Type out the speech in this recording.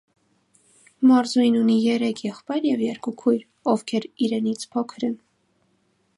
Մարզուհին ունի երեք եղբայր և երկու քույր, ովքեր իրենից փոքր են։